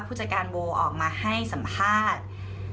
ผู้จัดการโบออกมาให้สัมภาษณ์